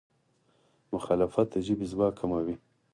مخالفت د ژبې ځواک کموي.